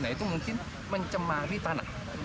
nah itu mungkin mencemari tanah